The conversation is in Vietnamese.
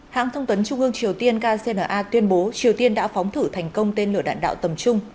hãng thông tấn trung ương triều tiên kcna tuyên bố triều tiên đã phóng thử thành công tên lửa đạn đạo tầm trung